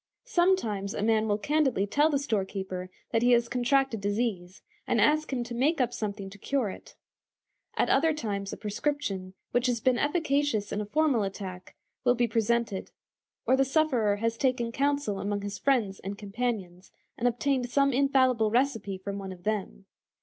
Sometimes a man will candidly tell the storekeeper that he has contracted disease, and ask him to make up something to cure it. At other times a prescription, which has been efficacious in a former attack, will be presented, or the sufferer has taken counsel among his friends and companions, and obtained some infallible recipe from one of them.